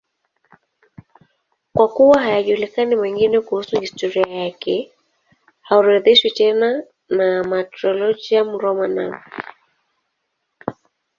Kwa kuwa hayajulikani mengine kuhusu historia yake, haorodheshwi tena na Martyrologium Romanum.